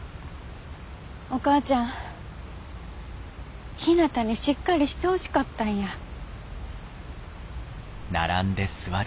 お母ちゃんひなたにしっかりしてほしかったんや。